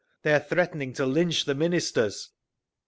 They are threatening to lynch the Ministers!"